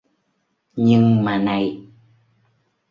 Nhưng mà này